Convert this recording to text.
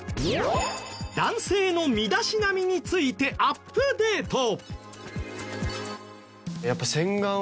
男性の身だしなみについてアップデート。